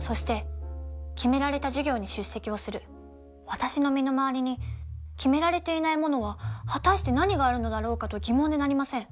私の身の回りに決められていないものは果たして何があるのだろうかと疑問でなりません。